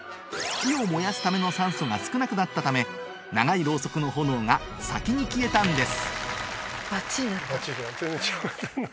火を燃やすための酸素が少なくなったため長いロウソクの炎が先に消えたんです